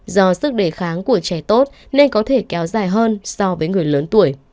do sức đề kháng của trẻ tốt nên có thể kéo dài hơn so với người lớn tuổi